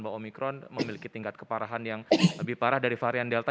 bahwa omikron memiliki tingkat keparahan yang lebih parah dari varian delta